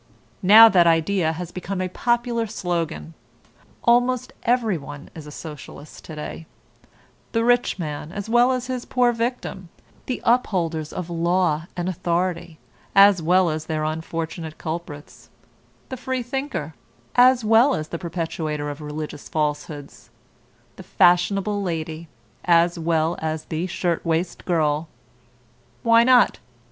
Now that idea has become a popular slogan. Almost everyone is a Socialist today: the rich man, as well as his poor victim; the upholders of law and authority, as well as their unfortunate culprits; the freethinker, as well as the perpetuator of religious falsehoods; the fashionable lady, as well as the shirtwaist girl. Why not?